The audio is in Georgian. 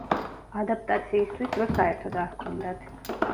ადაპტაციისთვის დრო საერთოდ არ ჰქონდათ.